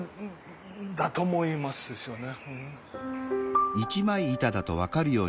だと思いますですよね。